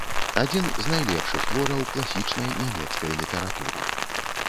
Адзін з найлепшых твораў класічнай нямецкай літаратуры.